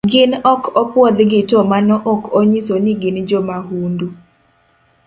Gin ok opuodhgi to mano ok onyiso ni gin jomahundu.